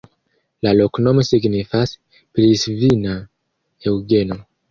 La loknomo signifas: Pilisvina-Eŭgeno.